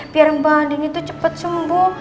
biar bu andin itu cepat sembuh